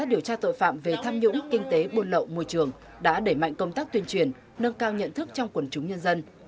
điều tra tội phạm về tham nhũng kinh tế buôn lậu môi trường đã đẩy mạnh công tác tuyên truyền nâng cao nhận thức trong quần chúng nhân dân